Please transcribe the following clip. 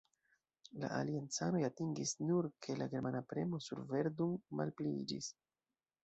La aliancanoj atingis nur, ke la germana premo sur Verdun malpliiĝis.